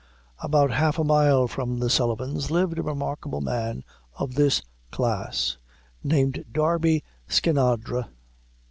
About half a mile from the Sullivan's, lived a remarkable man of this class, named Darby Skinadre.